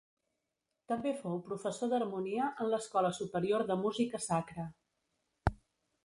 També fou professor d'harmonia en l'Escola Superior de Música Sacra.